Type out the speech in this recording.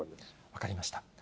分かりました。